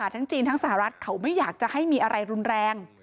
ทั้งจีนทั้งสหรัฐเขาไม่อยากจะให้มีอะไรรุนแรง